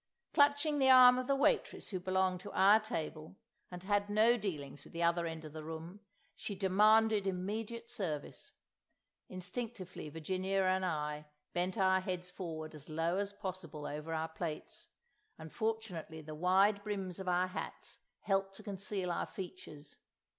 Clutching the arm of the waitress who belonged to our table and had no dealings with the other end of the room, she demanded immediate service. Instinctively Virginia and I bent our heads forward as low as possible over our plates, and fortunately the wide brims of our hats helped to conceal our features.